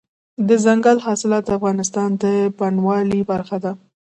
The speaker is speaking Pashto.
دځنګل حاصلات د افغانستان د بڼوالۍ برخه ده.